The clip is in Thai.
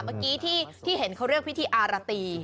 เมื่อกี้ที่เห็นเขาเรียกพิธีอารตี